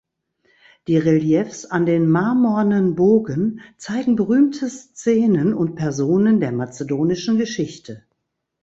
Die Reliefs an dem marmornen Bogen zeigen berühmte Szenen und Personen der mazedonischen Geschichte.